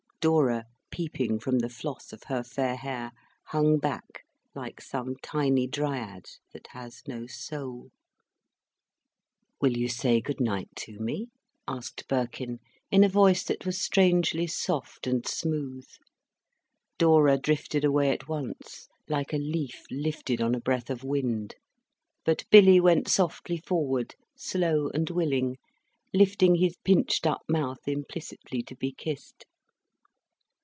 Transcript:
Dora, peeping from the floss of her fair hair, hung back like some tiny Dryad, that has no soul. "Will you say good night to me?" asked Birkin, in a voice that was strangely soft and smooth. Dora drifted away at once, like a leaf lifted on a breath of wind. But Billy went softly forward, slow and willing, lifting his pinched up mouth implicitly to be kissed.